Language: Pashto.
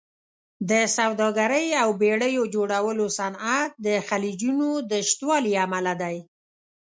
د سوداګرۍ او بېړیو جوړولو صنعت د خلیجونو د شتوالي امله دی.